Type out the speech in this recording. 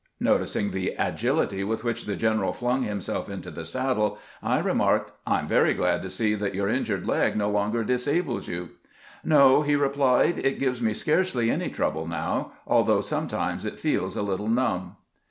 Noticing the agility with which the general flung himself into the saddle, I remarked, " I am very glad to see that your in jured leg no longer disables you." " No," he replied ;" it gives me scarcely any trouble now, although some times it feels a little numb."